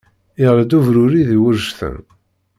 Iɣli-d ubruri d iwedcen.